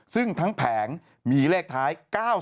ซึ่งทั้งแผงมีเลขท้าย๙๓